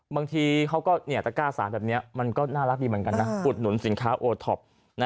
บางทีเขาก็ตะก้าสารแบบนี้มันก็น่ารักดีเหมือนกันนะอุดหนุนสินค้าโอท็อป